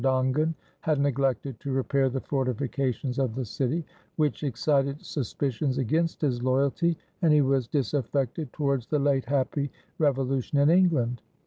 Dongan, had neglected to repair the fortifications of the city, which excited suspicions against his loyalty, and he was disaffected towards the late happy revolution in England."